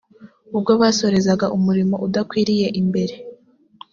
ubwo boserezaga umuriro udakwiriye imbere